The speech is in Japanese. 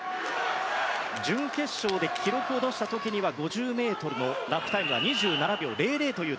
準決勝で記録を出した時には５０ｍのラップタイムは２７秒００。